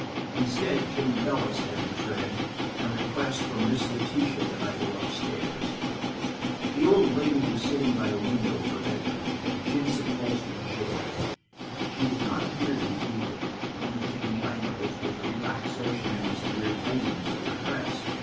Instead came Bella's heavy tread, and a request from Miss Letitia that I go up stairs. The old lady was sitting by a window of her bedroom, in a chintz upholstered chair. She did not appear to be feeble; the only change I noticed was a relaxation in the severe tidiness of her dress.